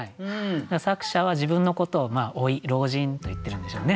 作者は自分のことを「老い」「老人」といってるんでしょうね。